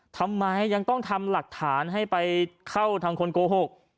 ทำไมยังต้องทำหลักฐานให้ไปเข้าทางคนโกหก